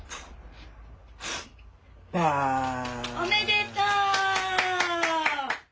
おめでとう！